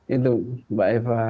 itu mbak eva